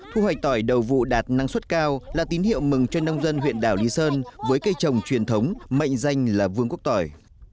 thu hoạch tỏi đầu vụ đạt năng suất cao là tín hiệu mừng cho nông dân huyện đảo lý sơn với cây trồng truyền thống mệnh danh là vương quốc tỏi